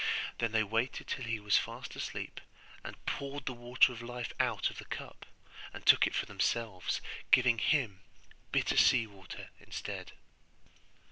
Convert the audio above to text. Then they waited till he was fast asleep, and poured the Water of Life out of the cup, and took it for themselves, giving him bitter sea water instead.